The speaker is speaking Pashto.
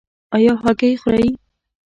ایا هګۍ خورئ؟